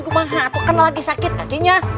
aku mah aku kena lagi sakit dagingnya